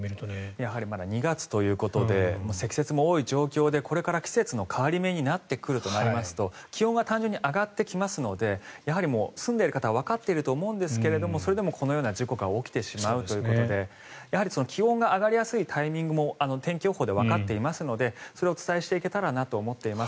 やはり２月ということで積雪も多い状況でこれから季節の変わり目になってくるとなりますと気温は単純に上がってきますのでやはり、住んでいる方わかっていると思うんですがそれでも、このような事故が起きてしまうということでやはり気温が上がりやすいタイミングも天気予報でわかっていますのでそれをお伝えしていけたらなと思っています。